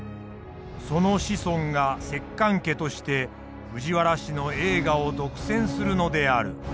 その子孫が摂関家として藤原氏の栄華を独占するのである。